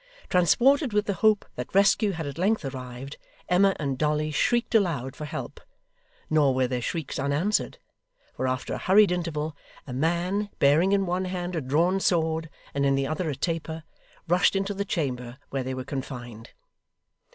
Transported with the hope that rescue had at length arrived, Emma and Dolly shrieked aloud for help; nor were their shrieks unanswered; for after a hurried interval, a man, bearing in one hand a drawn sword, and in the other a taper, rushed into the chamber where they were confined.